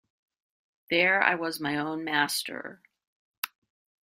There I was my own master.